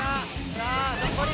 さあ残り。